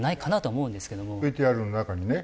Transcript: ＶＴＲの中にね